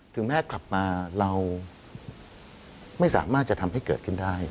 ถึงแม้กลับมาเราไม่สามารถจะทำให้เกิดขึ้นได้